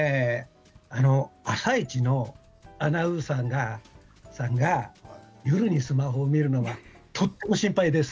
「あさイチ」のアナウンサーさんが夜にスマホを見るのはとっても心配です。